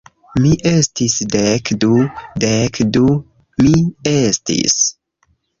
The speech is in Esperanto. Mi estis dek du... dek du mi estis